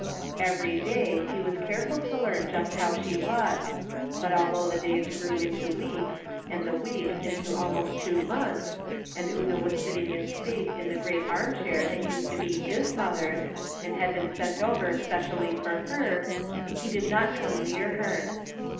Every day he was careful to learn just how she was ; but, although the days grew into weeks, and the weeks into almost two months, and Una was sitting in state in the great arm chair that used to be his mother's, and had been sent over specially for her, he did not come near her.